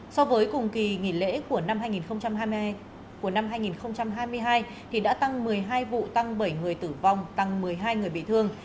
so với cùng kỳ nghỉ lễ của năm hai nghìn hai mươi hai đã tăng một mươi hai vụ tăng bảy người tử vong tăng một mươi hai người bị thương